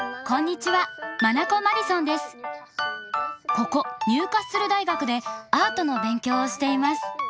ここニューカッスル大学でアートの勉強をしています。